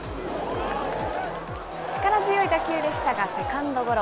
力強い打球でしたがセカンドゴロ。